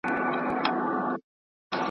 زه تږی د کلونو یم د خُم څنګ ته درځمه .